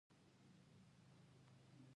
پسه د افغانستان د ښکلي طبیعت یوه برخه ده.